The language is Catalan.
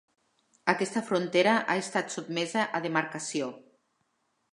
Aquesta frontera ha estat sotmesa a demarcació.